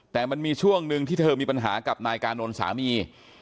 แต่มันมีช่วงหนึ่งที่เธอมีปัญหากับนายกานนท์สามี